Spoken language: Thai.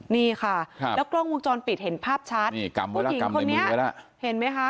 นี่ค่ะแล้วกล้องวงจรปิดเห็นภาพชัดนี่กรรมผู้หญิงคนนี้เห็นไหมคะ